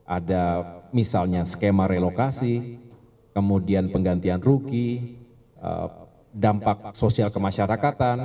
ada misalnya skema relokasi kemudian penggantian ruki dampak sosial kemasyarakatan